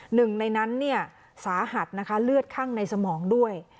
หนึ่งในนั้นสาหัสนะคะเลือดข้างในสมองด้วย